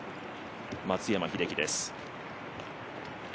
松山英樹です。